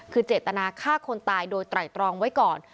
คือเจตนาฆ่าคนตายโดยไตรตรองไว้ก่อน